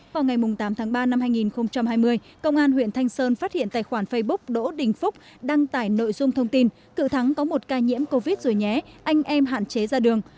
vào ngày tám tháng ba năm hai nghìn hai mươi công an huyện thanh sơn phát hiện tài khoản facebook đỗ đình phúc đăng tải nội dung thông tin cự thắng có một ca nhiễm covid rồi nhé anh em hạn chế ra đường